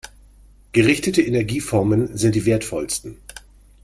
Gerichtete Energieformen sind die wertvollsten.